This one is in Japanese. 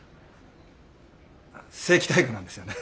正規待遇なんですよね。